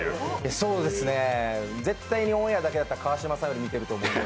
そうですね絶対にオンエアだけだったら川島さんより見てる。